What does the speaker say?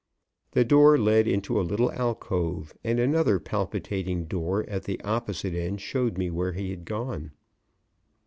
The door led into a little alcove and another palpitating door at the opposite end showed me where he had gone.